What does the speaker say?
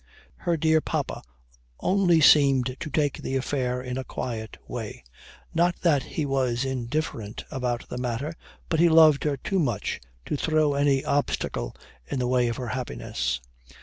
Her dear papa only seemed to take the affair in a quiet way; not that he was indifferent about the matter, but he loved her too much to throw any obstacle in the way of her happiness.